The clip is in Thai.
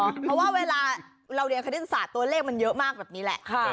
เพราะว่าเวลาเราเรียนคณิตศาสตร์ตัวเลขมันเยอะมากแบบนี้แหละ